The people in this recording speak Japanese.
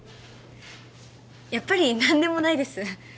やっぱり何でもないです